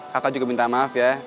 kakak juga minta maaf ya